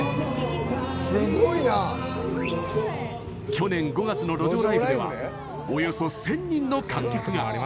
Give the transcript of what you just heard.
去年５月の路上ライブではおよそ１０００人の観客が。